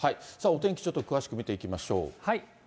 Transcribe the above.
お天気ちょっと詳しく見ていきましょう。